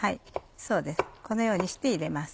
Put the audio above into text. そうですこのようにして入れます。